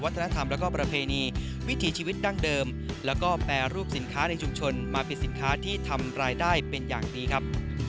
ธรรมแล้วก็ประเพณีวิถีชีวิตดั้งเดิมแล้วก็แปรรูปสินค้าในชุมชนมาเป็นสินค้าที่ทำรายได้เป็นอย่างดีครับ